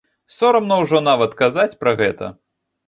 Сорамна ўжо нават казаць пра гэта.